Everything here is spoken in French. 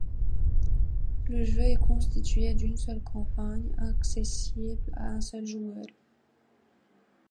Le jeu est constitué d'une seule campagne accessible à un seul joueur.